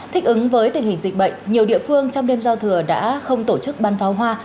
thích ứng với tình hình dịch bệnh nhiều địa phương trong đêm giao thừa đã không tổ chức bắn pháo hoa